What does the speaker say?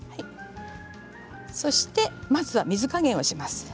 そして、まずは水加減をします。